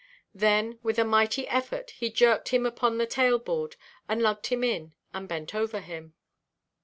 Then, with a mighty effort, he jerked him upon the tail–board, and lugged him in, and bent over him.